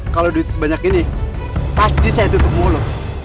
kalau duit sebanyak ini pasti saya tutup mulut